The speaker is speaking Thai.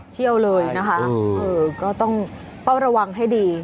เชี่ยวเลยนะคะก็ต้องเฝ้าระวังให้ดี